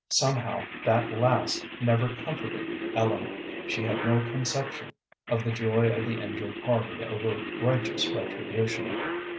Somehow that last never comforted Ellen; she had no conception of the joy of the injured party over righteous retribution.